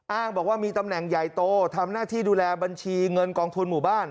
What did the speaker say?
อ้างบอกว่ามีตำแหน่งใหญ่โตทำหน้าที่ดูแลบัญชีเงินกองทุนหมู่บ้าน